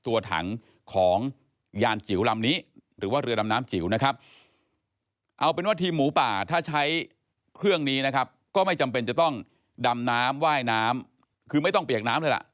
ว่ายน้ำคือไม่ต้องเปียกน้ำเลยล่ะ